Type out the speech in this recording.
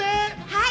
はい。